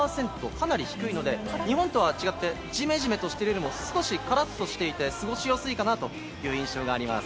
かなり低いので、日本とは違ってジメジメとしているというよりも少しカラッとしていて過ごしやすいかなという印象があります。